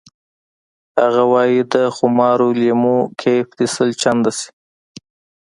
هغه وایی د خمارو لیمو کیف دې سل چنده شي